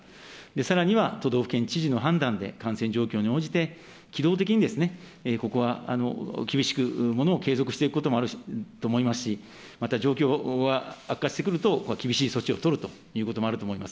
さらには都道府県知事の判断で、感染状況に応じて、機動的にここは厳しく、ものを継続していくこともあると思いますし、また状況は悪化してくると、厳しい措置を取るということもあると思います。